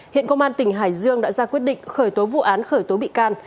hiện công an tỉnh hải dương đã ra quyết định khởi tố vụ án khởi tố bị can